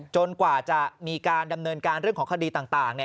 กว่าจะมีการดำเนินการเรื่องของคดีต่าง